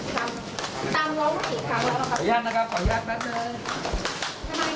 ขออนุญาตเรอบเพิ่มนึงขออนุญาตเพิ่มนึง